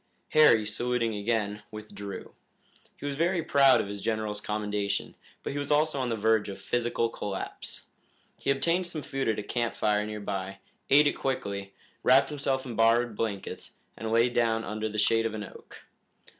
Harry, saluting again, withdrew. He was very proud of his general's commendation, but he was also on the verge of physical collapse. He obtained some food at a camp fire near by, ate it quickly, wrapped himself in borrowed blankets, and lay down under the shade of an oak.